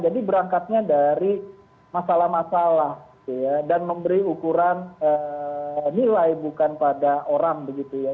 jadi berangkatnya dari masalah masalah dan memberi ukuran nilai bukan pada orang begitu ya